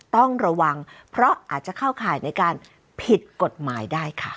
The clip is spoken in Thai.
ต้องระวังเพราะอาจจะเข้าข่ายในการผิดกฎหมายได้ค่ะ